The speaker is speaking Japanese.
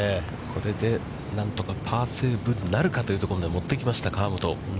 これで何とかパーセーブなるかというところまで持っていきました河本。